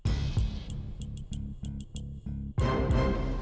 tidak ada lagi